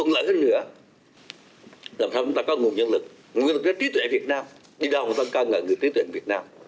làm sao chúng ta có nguồn nhân lực nguồn nhân lực trí tuệ việt nam đi đâu chúng ta cần người trí tuệ việt nam